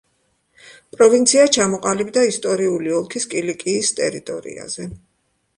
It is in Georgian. პროვინცია ჩამოყალიბდა ისტორიული ოლქის კილიკიის ტერიტორიაზე.